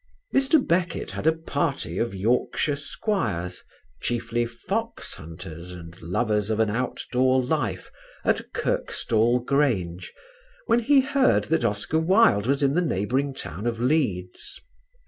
Mr. Beckett had a party of Yorkshire squires, chiefly fox hunters and lovers of an outdoor life, at Kirkstall Grange when he heard that Oscar Wilde was in the neighbouring town of Leeds.